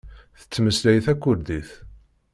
Tettmeslay takurdit.